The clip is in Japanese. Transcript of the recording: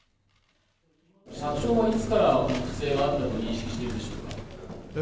社長は、いつから不正があったと認識しているんでしょうか？